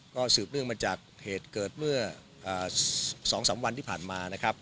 ก็สืบเนื่องมาจากเหตุเกิดเมื่อ๒๓วันที่ผ่านมานะครับ